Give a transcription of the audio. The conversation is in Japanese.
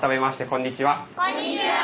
こんにちは。